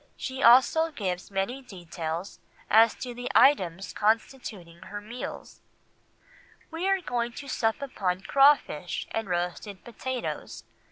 She also gives many details as to the items constituting her meals: "We are going to sup upon crawfish and roasted potatoes.